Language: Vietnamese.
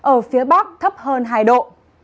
ở phía bắc thấp hơn hai độ